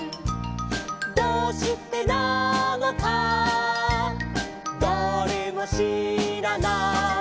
「どうしてなのかだれもしらない」